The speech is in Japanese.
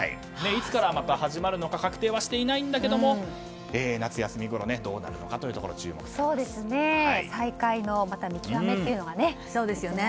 いつから始まるのか確定はしていないんだけども夏休みごろどうなるのかというところ再開の見極めが必要ですね。